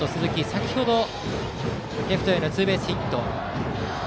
先程レフトへのツーベースヒット。